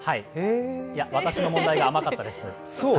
私の問題が甘かったです。